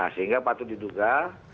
sehingga patut diduga